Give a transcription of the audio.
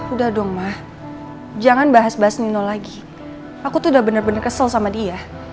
udah dong mah jangan bahas bahas nino lagi aku tuh udah bener bener kesel sama dia